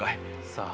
「さあ」。